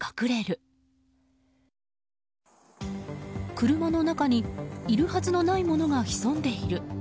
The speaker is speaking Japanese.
車の中にいるはずのないものが潜んでいる。